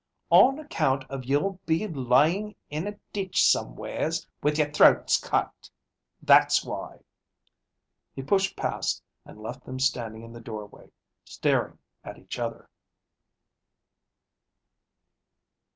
On account of you'll be layin' in a ditch somewheres with yer throats cut. That's why." He pushed past and left them standing in the doorway, staring at each other.